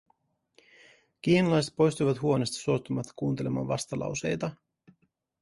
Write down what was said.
Kiinalaiset poistuivat huoneesta suostumatta kuuntelemaan vastalauseita.